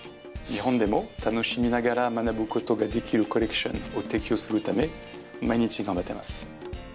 日本でも楽しみながら学ぶ事ができるコレクションを提供するため毎日頑張っています。